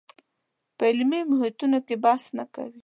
په علمي محیطونو کې بحث نه کوي